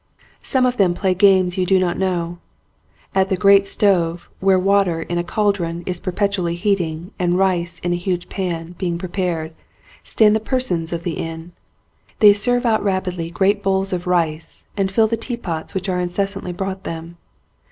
Some of them play games you do not know. At the great stove, where water in a cauldron is perpetually heating and rice in a huge pan being prepared, stand the persons of the inn. They serve out rapidly great bowls of rice and fill the teapots which are incessantly brought them.